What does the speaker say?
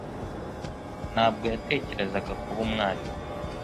Ntabwo yatekerezaga kuba umwarimu.